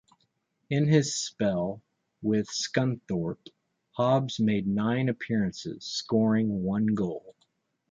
In his spell with Scunthorpe, Hobbs made nine appearances, scoring one goal.